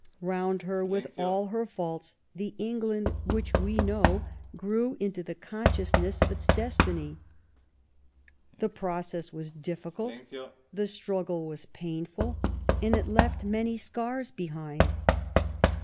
Round her, with all her faults, the England' which we know grew into the conscious ness of its destiny. The process was difficult ; the struggle was painful, and it left many scars behind.